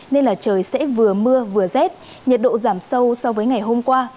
nên là trời sẽ vừa mưa vừa rét nhiệt độ giảm sâu so với ngày hôm qua